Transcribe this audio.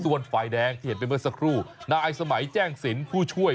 ส่วนฝ่ายแดงที่เห็นไปเมื่อสักครู่นายสมัยแจ้งสินผู้ช่วย